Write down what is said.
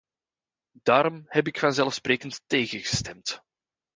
Daarom heb ik vanzelfsprekend tegen gestemd.